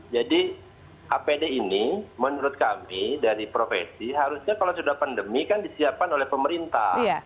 jadi apd ini menurut kami dari profesi harusnya kalau sudah pandemi kan disiapkan oleh pemerintah